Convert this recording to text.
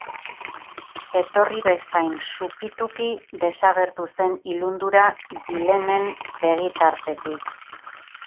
Etorri bezain supituki desagertu zen ilundura Gilenen begitartetik.